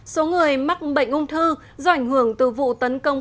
số người mắc bệnh ung thư do ảnh hưởng từ vụ tấn công